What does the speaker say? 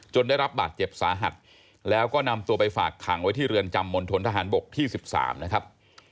ได้รับบาดเจ็บสาหัสแล้วก็นำตัวไปฝากขังไว้ที่เรือนจำมณฑนทหารบกที่๑๓นะครับ